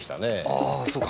ああそうか。